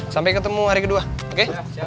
sampai ketemu hari kedua oke